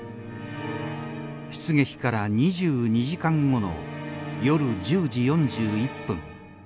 出撃から２２時間後の夜１０時４１分。